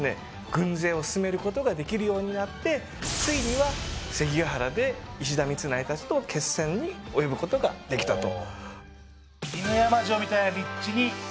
軍勢を進めることができるようになってついには関ヶ原で石田三成たちと決戦に及ぶことができたとお！